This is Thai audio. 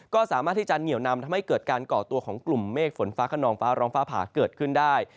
ก็สามารถที่จะเหนียวนำทำให้เกิดการก่อตัวของกลุ่มเมฆฝนฟ้าขนองฟ้าร้องฟ้าผ่าเกิดขึ้นได้